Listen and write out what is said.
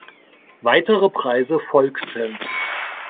Weitere Preise folgten.